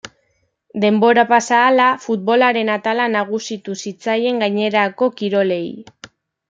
Denbora pasa ahala futbolaren atala nagusitu zitzaien gainerako kirolei.